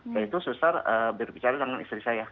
setelah itu suter berbicara dengan istri saya